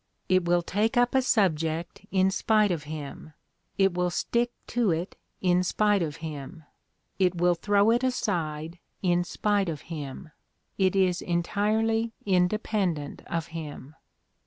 It will take up a subject in spite of him ; it wiU stick to it in spite of him ; it will throw it aside in spite of him. It is entirely independent of him."